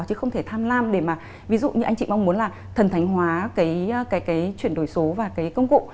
chứ không thể tham lam để mà ví dụ như anh chị mong muốn là thần thánh hóa cái chuyển đổi số và cái công cụ